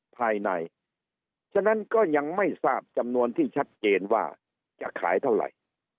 ภายในฉะนั้นก็ยังไม่ทราบจำนวนที่ชัดเจนว่าจะขายเท่าไหร่